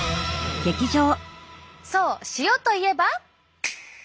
そう塩といえば。